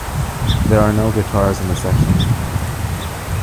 There are no guitars in this section.